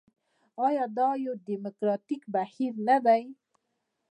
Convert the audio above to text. آیا دا یو ډیموکراټیک بهیر نه دی؟